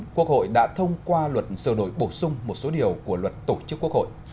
quốc hội đã thông qua luật sửa đổi bổ sung một số điều của luật tổ chức quốc hội